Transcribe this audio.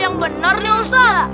yang benar nih ustadz